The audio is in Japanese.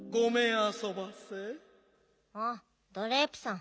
ああドレープさん。